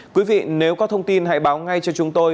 quý vị nếu có thông tin hãy báo ngay cho chúng tôi